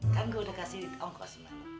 kan udah kasih ongkos